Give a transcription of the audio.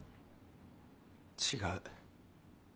違う。